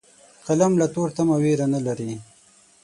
قلم له تورتمه ویره نه لري